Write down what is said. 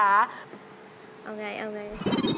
เอาไง